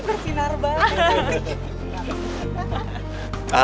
habis babanya bersinar banget